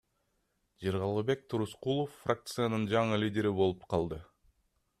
Жыргалбек Турускулов фракциянын жаңы лидери болуп калды.